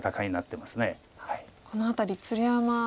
この辺り鶴山八段